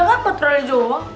ya kan patroli doang